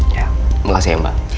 ya makasih ya mbak